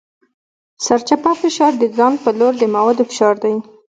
سرچپه فشار د ځان په لور د موادو فشار دی.